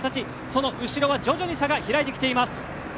その後ろは徐々に差が開いてきています。